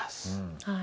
はい。